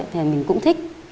thì mình cũng thích